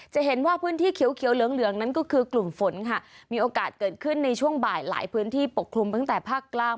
จะเห็นว่าพื้นที่เขียวเหลืองเหลืองนั้นก็คือกลุ่มฝนค่ะมีโอกาสเกิดขึ้นในช่วงบ่ายหลายพื้นที่ปกคลุมตั้งแต่ภาคกลาง